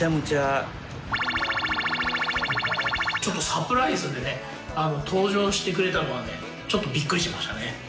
ちょっとサプライズでね、登場してくれたのはね、ちょっとびっくりしましたね。